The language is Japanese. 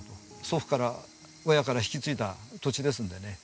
祖父から親から引き継いだ土地ですのでね。